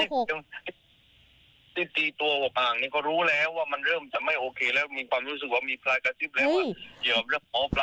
ตีตัวออกห่างนี่ก็รู้แล้วว่ามันเริ่มจะไม่โอเคแล้ว